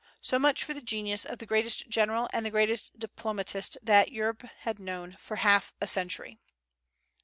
So much for the genius of the greatest general and the greatest diplomatist that Europe had known for half a century.